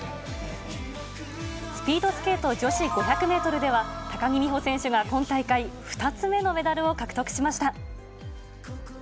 スピードスケート女子５００メートルでは、高木美帆選手が今大会、２つ目のメダルを獲得しました。